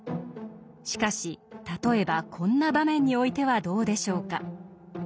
しかし例えばこんな場面においてはどうでしょうか？